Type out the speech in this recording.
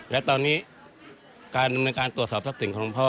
และตอนนี้การดำเนินการตรวจสอบทรัพย์สินของหลวงพ่อ